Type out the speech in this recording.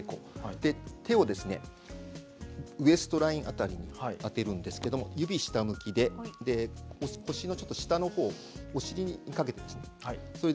手をウエストライン辺りに当てるんですけど指は下向きで、腰の下の方お尻にかけて置く。